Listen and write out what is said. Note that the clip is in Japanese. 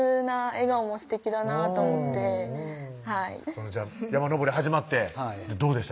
その山登り始まってどうでした？